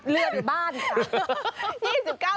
เรือไปบ้านสิค่ะ